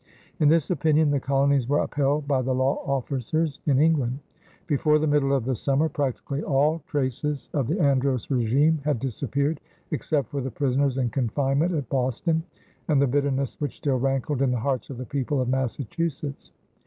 In this opinion the colonies were upheld by the law officers in England. Before the middle of the summer, practically all traces of the Andros régime had disappeared, except for the prisoners in confinement at Boston and the bitterness which still rankled in the hearts of the people of Massachusetts.